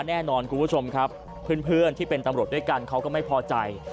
แน่นอนคุณผู้ชมครับเพื่อนที่เป็นตำรวจด้วยกันเขาก็ไม่พอใจ